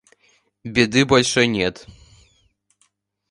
Беды большой нет.